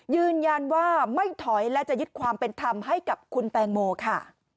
ยืนยันว่าไม่ถอยและจะยึดความเป็นธรรมให้กับคุณแตงโมค่ะ